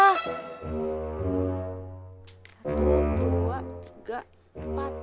satu dua tiga empat